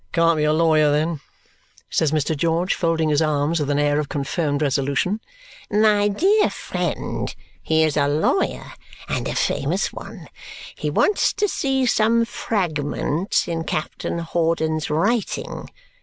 "Can't be a lawyer, then," says Mr. George, folding his arms with an air of confirmed resolution. "My dear friend, he is a lawyer, and a famous one. He wants to see some fragment in Captain Hawdon's writing.